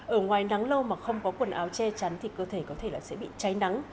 ở ngoài nắng lâu mà không có quần áo che chắn thì cơ thể có thể là sẽ bị cháy nắng